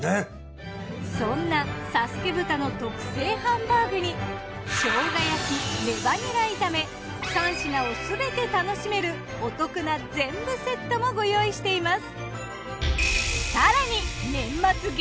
そんな佐助豚の特製ハンバーグに生姜焼きレバニラ炒め３品を全て楽しめるお得な全部セットもご用意しています。